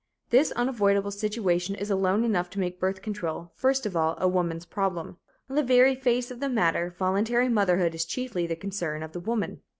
This unavoidable situation is alone enough to make birth control, first of all, a woman's problem. On the very face of the matter, voluntary motherhood is chiefly the concern of the woman.